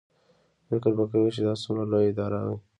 فکر به کوې چې دا څومره لویه اداره وي.